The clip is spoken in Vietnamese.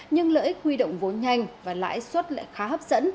nhưng lợi ích huy động vốn nhanh và lãi suất lại khá hấp dẫn